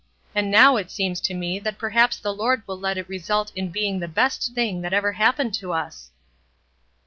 And now it seems to me that perhaps the Lord will let it result in being the best thing that ever happened to us."